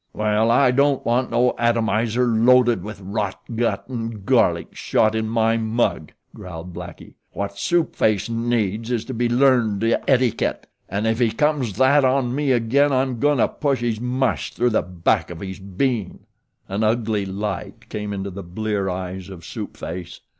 "Well, I don't want no atomizer loaded with rot gut and garlic shot in my mug," growled Blackie. "What Soup Face needs is to be learned ettyket, an' if he comes that on me again I'm goin' to push his mush through the back of his bean." An ugly light came into the blear eyes of Soup Face.